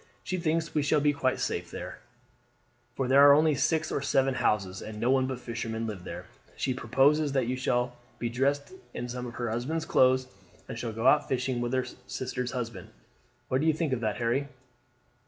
She thinks we shall be quite safe there, for there are only six or seven houses, and no one but fishermen live there. She proposes that you shall be dressed up in some of her husband's clothes, and shall go out fishing with her sister's husband. What do you think of that, Harry?"